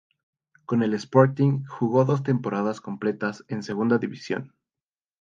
Con el Sporting jugó dos temporadas completas en Segunda División.